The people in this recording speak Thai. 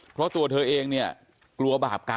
เพราะตัวเธอเองเนี่ยกลัวบาปกรรม